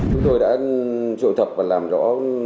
chúng tôi đã trộn thập và làm rõ